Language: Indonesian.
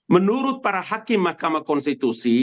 menurut para hakim mahkamah konstitusi